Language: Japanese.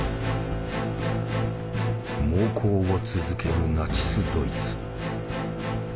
猛攻を続けるナチス・ドイツ。